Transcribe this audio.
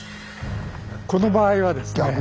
この場合はですね。